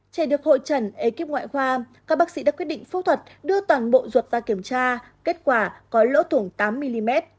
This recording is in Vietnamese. trẻ được hội trần ekip ngoại khoa các bác sĩ đã quyết định phẫu thuật đưa toàn bộ ruột ra kiểm tra kết quả có lỗ tuồng tám mm